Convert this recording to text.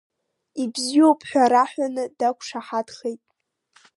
Ибзиоуп ҳәа раҳәаны дақәшаҳаҭхеит.